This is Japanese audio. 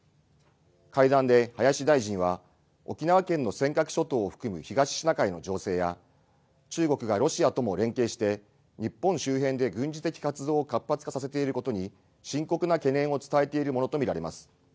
会談で林大臣は沖縄県の尖閣諸島を含む東シナ海の情勢や中国がロシアとも連携して日本周辺で軍事的活動を活発化させていることに深刻な懸念を伝えているものと見られます。